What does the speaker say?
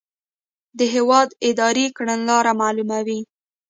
د هیواد اداري کړنلاره معلوموي.